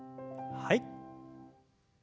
はい。